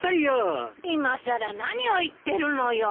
いまさら何を言ってるのよ。